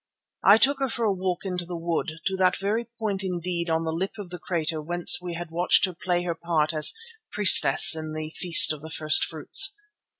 I took her for a walk in the wood, to that very point indeed on the lip of the crater whence we had watched her play her part as priestess at the Feast of the First fruits.